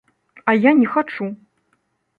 А я не хачу.